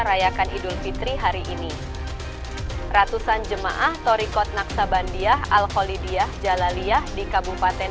rayakan idul fitri hari ini ratusan jemaah torikot naksabandia al khalidiyah jalaliyah di kabupaten